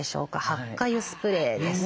ハッカ油スプレーです。